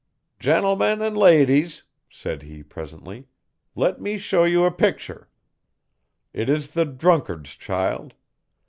'Gentlemen an' ladies,' said he presently, 'let me show you a pictur'. It is the drunkard's child.